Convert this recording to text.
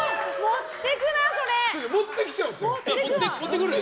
持ってきちゃうって！